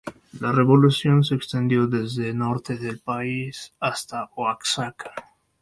La revolución se extendió desde norte del país hasta Oaxaca.